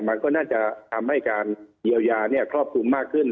มันก็น่าจะทำให้การเยียวยาครอบคลุมมากขึ้น